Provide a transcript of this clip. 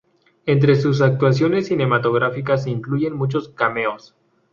Entre sus actuaciones cinematográficas se incluyen muchos cameos.